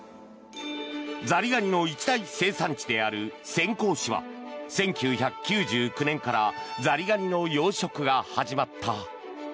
ザリガニの一大生産地である潜江市は１９９９年からザリガニの養殖が始まった。